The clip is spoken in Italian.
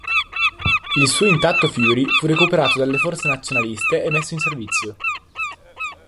Il suo intatto Fury fu recuperato dalle forze nazionaliste e messo in servizio.